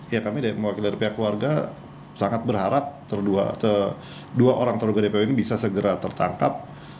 ya kami mewakili dari pihak keluarga sangat berharap dua orang terduga dpo ini bisa segera tertangkap